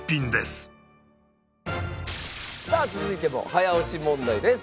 さあ続いても早押し問題です。